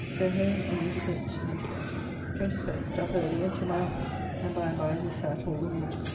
So home, and eat a bit, and to bed. 21st. Up early, and to my office, and by and by we sat all the morning.